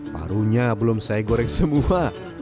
parunya belum saya goreng semua